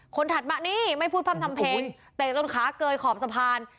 ถัดมานี่ไม่พูดพร่ำทำเพลงเตะจนขาเกยขอบสะพาน